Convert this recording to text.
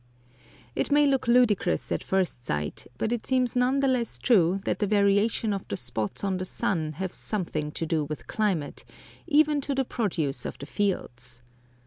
It may look ludicrous at first sight, but it seems none the less true, that the variation of the spots on the sun have something to do with climate, even to the produce of the fields.